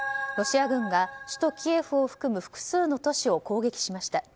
ロシア軍が首都キエフを含む複数の都市を攻撃しました。